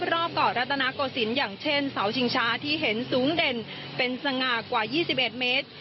รอบเกาะรัตนาโกศิลป์อย่างเช่นเสาชิงช้าที่เห็นสูงเด่นเป็นสง่ากว่า๒๑เมตร